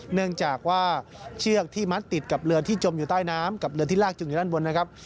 เนื่องจากว่าเชือกที่มัดติดกับเรือที่จมอยู่ใต้น้ำกับเรือที่ลากจูงอยู่ด้านบนนะครับ